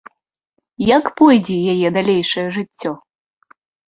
Як пойдзе яе далейшае жыццё?